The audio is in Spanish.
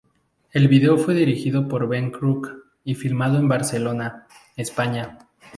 El vídeo fue dirigido por Ben Crook y filmado en Barcelona, España.